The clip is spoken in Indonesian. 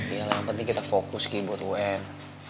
ya elah yang penting kita fokus kibut un